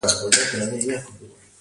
د مغز د روغتیا لپاره مطالعه وکړئ